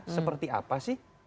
seperti apa sih